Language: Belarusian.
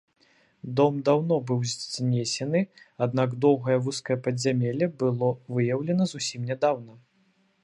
Дом даўно быў знесены, аднак доўгае вузкае падзямелле было выяўлена зусім нядаўна.